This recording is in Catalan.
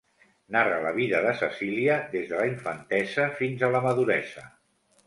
Narra la vida de Cecília des de la infantesa fins a la maduresa.